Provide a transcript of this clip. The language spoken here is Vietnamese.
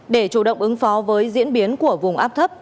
để chủ động ứng phó với diễn biến của vùng áp thấp